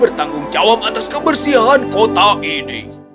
bertanggung jawab atas kebersihan kota ini